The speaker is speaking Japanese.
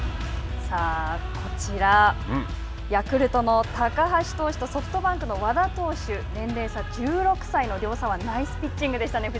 さあ、こちらヤクルトの高橋投手とソフトバンクの和田投手年齢差１６歳の両左腕ナイスピッチングでしたね。